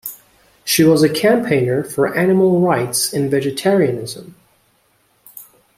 She was a campaigner for animal rights and vegetarianism.